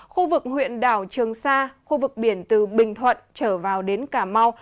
khu vực huyện đảo trường sa khu vực biển từ bình thuận trở vào đến cà mau